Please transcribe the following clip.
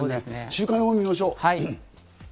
週間予報を見ましょう。